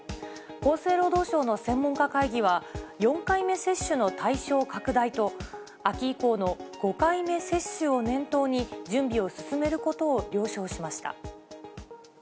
厚生労働省の専門家会議は、４回目接種の対象拡大と、秋以降の５回目接種を念頭に、準備を進めることを了承しました。